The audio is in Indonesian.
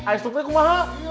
ais struknya kemana